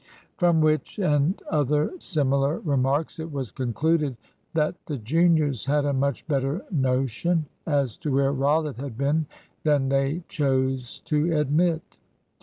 From which and other similar remarks it was concluded that the juniors had a much better notion as to where Rollitt had been than they chose to admit.